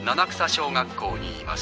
小学校にいます。